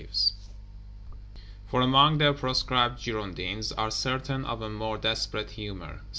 ] For among the proscribed Girondins are certain of a more desperate humor.